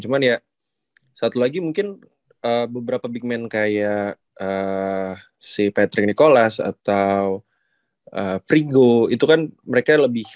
cuman ya satu lagi mungkin beberapa big man kayak si patrick nicolas atau frigo itu kan mereka lebih